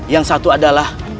yang satu adalah